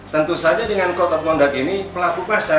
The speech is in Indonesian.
tentu saja dengan kotak mondar ini pelaku pasar